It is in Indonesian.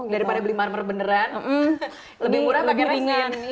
daripada beli marmer beneran lebih murah bagi resin